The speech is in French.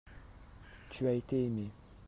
tu as été aimé.